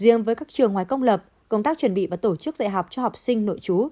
riêng với các trường ngoài công lập công tác chuẩn bị và tổ chức dạy học cho học sinh nội chú